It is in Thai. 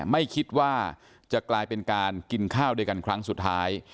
ไม่คิดว่าจะกลายเป็นการกินข้าวด้วยกันครั้งสุดท้าย